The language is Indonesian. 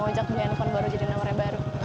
bang ojak beli handphone baru jadi nomornya baru